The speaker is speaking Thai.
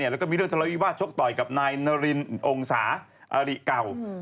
แล้วก็มีเรื่องทะเลาวิวาสชกต่อยกับนายนารินองศาอริเก่า